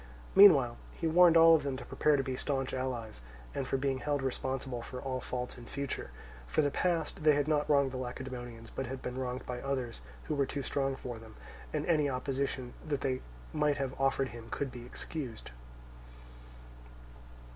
Meanwhile he warned all of them to prepare to be staunch allies, and for being held responsible for all faults in future: for the past, they had not wronged the Lacedaemonians but had been wronged by others who were too strong for them, and any opposition that they might have offered him could be excused.